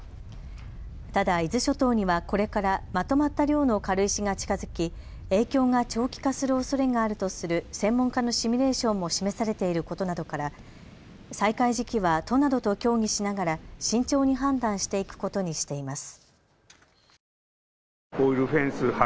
ただ、伊豆諸島にはこれからまとまった量の軽石が近づき影響が長期化するおそれがあるとする専門家のシミュレーションも示されていることなどから再開時期は都などと協議しながら慎重に判断していくことにしています。